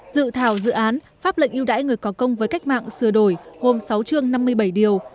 dự thảo dự án pháp lệnh ưu đãi người có công với cách mạng sửa đổi gồm sáu chương năm mươi bảy điều